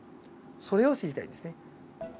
それを知りたいですね。